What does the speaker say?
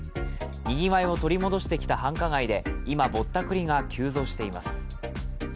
にぎわいを取り戻してきた繁華街で今、ぼったくりが急増しています。